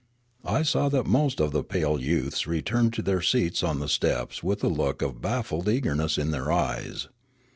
I saw that most of the pale youths returned to their seats on the steps with a look of baffled eagerness in their eyes.